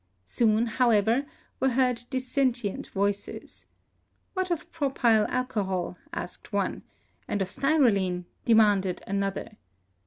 Soon, however, were heard dis sentient voices. What of propyl alcohol, asked one; and of styrolene, demanded another.